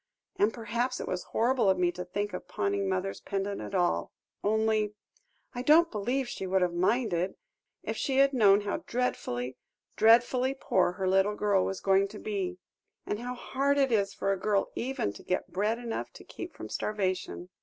And perhaps it was horrible of me to think of pawning mother's pendant at all only I don't believe she would have minded, if she had known how dreadfully, dreadfully poor her little girl was going to be and how hard it is for a girl even to get bread enough to keep from starvation.